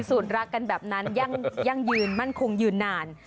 รักกันแบบนั้นยั่งยืนมั่นคงยืนนาน